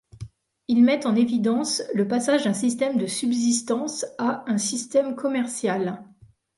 Ils mettent en évidence le passage d’un système de subsistance à un système commercial.